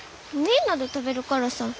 みんなで食べるからさ。